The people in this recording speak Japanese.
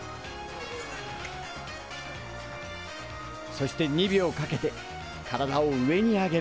そして２秒かけて体を上に上げる。